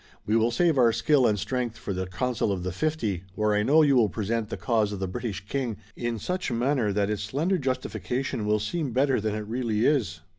We will save our skill and strength for the council of the fifty, where I know you will present the cause of the British king in such manner that its slender justification will seem better than it really is."